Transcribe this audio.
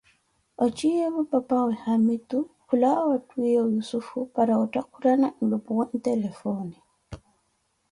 ochiyeevo papawe haamitu kulawa wa twiiye yussufu para ottakhukana nlupuwe ntelefoone.